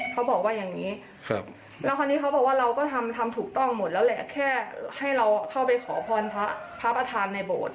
เขาบอกว่าอย่างนี้แล้วคราวนี้เขาบอกว่าเราก็ทำทำถูกต้องหมดแล้วแหละแค่ให้เราเข้าไปขอพรพระประธานในโบสถ์